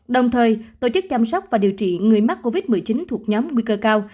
đồng thời tổ chức chăm sóc và điều trị người mắc covid một mươi chín thuộc nhóm nguy cơ cao